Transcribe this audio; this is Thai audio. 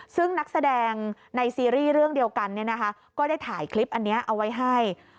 ซึ่งนักแสดงในซีรีส์เรื่องเดียวกันก็ได้ถ่ายคลิปอันนี้เอาไว้ให้